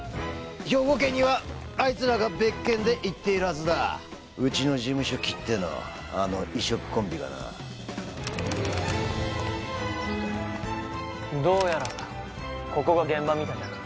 兵庫県にはあいつらが別件で行っているはずだうちの事務所きってのあの異色コンビがなどうやらここが現場みたいだな